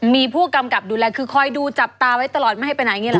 มีผู้กำกับดูแลคือคอยดูจับตาไว้ตลอดไม่ให้ไปไหนอย่างนี้หรอ